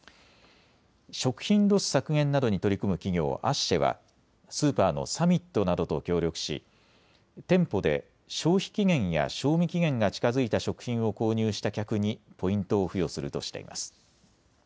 食品ロス削減などに取り組む企業アッシェはスーパーのサミットなどと協力し店舗で消費期限や賞味期限が近づいた食品を購入した客にポイントを付与するとしています。